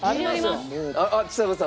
あっちさ子さん。